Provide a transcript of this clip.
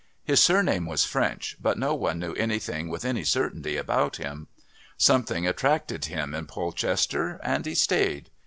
His surname was French, but no one knew anything with any certainty about him. Something attracted him in Polchester, and he stayed.